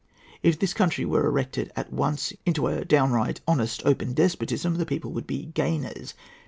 If this country were erected at once into a downright, honest, open despotism, the people would be gainers.